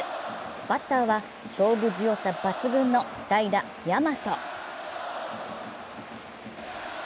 バッターは勝負強さ抜群の代打・大和。